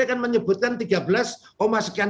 kan menyebutkan tiga belas sekian